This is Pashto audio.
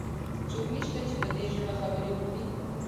څوک نشته چې په دي ژبه خبرې وکړي؟